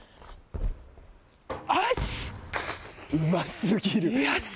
うますぎる。